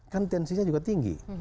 kan tensinya juga tinggi